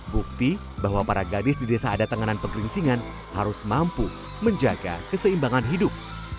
bukti bahwa para gadis di desa ada tenganan pegeringsingan harus mampu menjaga keseimbangan hidup